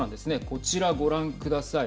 こちらご覧ください。